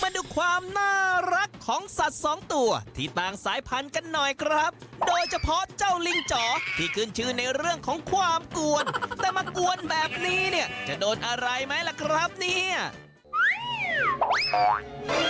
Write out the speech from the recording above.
มาดูความน่ารักของสัตว์สองตัวที่ต่างสายพันธุ์กันหน่อยครับโดยเฉพาะเจ้าลิงจ๋อที่ขึ้นชื่อในเรื่องของความกวนแต่มากวนแบบนี้เนี่ยจะโดนอะไรไหมล่ะครับเนี่ย